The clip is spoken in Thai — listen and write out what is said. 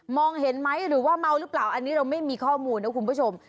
องเห็นไหมหรือว่าเมาหรือเปล่าอันนี้เราไม่มีข้อมูลนะคุณผู้ชม